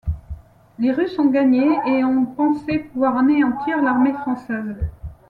Les Russes ont gagné et ont pensé pouvoir anéantir l'armée française.